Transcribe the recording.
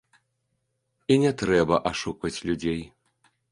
І не трэба ашукваць людзей.